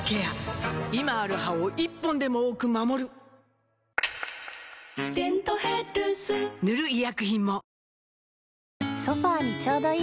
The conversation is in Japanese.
今ある歯を１本でも多く守る「デントヘルス」塗る医薬品も